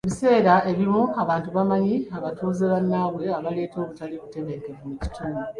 Ebiseera ebimu abantu bamanyi batuuze bannabwe abaleeta obutali butebenkevu mu kitundu.